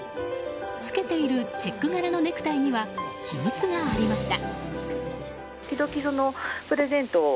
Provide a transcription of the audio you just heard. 着けているチェック柄のネクタイには秘密がありました。